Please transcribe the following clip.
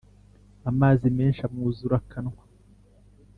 Amazi menshi amwuzura akanwa